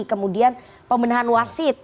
kemudian pemenahan wasit